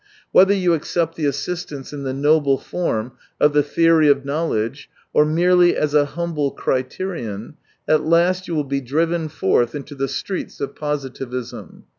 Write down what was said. Whether you accept the assist ance in the noble form of the theory of knowledge, or merely as a humble criterion, at last you will be driven forth into the streets of positivism.